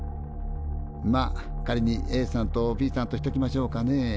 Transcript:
まあ仮にＡさんとＢさんとしときましょうかね。